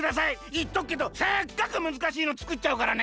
いっとくけどすっごくむずかしいのつくっちゃうからね。